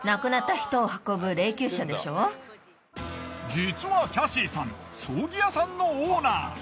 実はキャシーさん葬儀屋さんのオーナー。